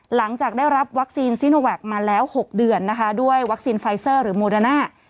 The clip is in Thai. หลังจากได้รับวัคซีนซีโนแวคมาแล้ว๖เดือนนะคะด้วยวัคซีนไฟเซอร์หรือโมเดอร์น่า